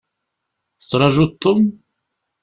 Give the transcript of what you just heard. Tettrajuḍ Tom?